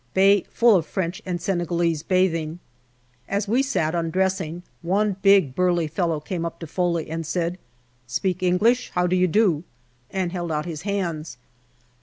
Bay full of French and Senegalese bathing. As we sat undressing, one big, burly fellow came up to Foley and said, " Speak English, how do you do ?" and held out his hands.